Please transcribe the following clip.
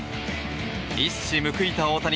一矢報いた大谷。